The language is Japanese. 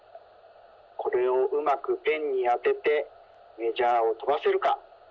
これをうまくペンにあててメジャーをとばせるか。